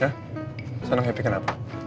ya seneng happy kenapa